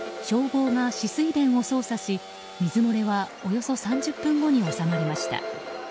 消防が止水弁を操作し水漏れはおよそ３０分後に収まりました。